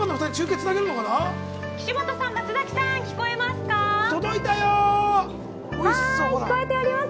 岸本さん、松崎さん聞こえております。